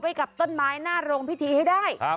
กับต้นไม้หน้าโรงพิธีให้ได้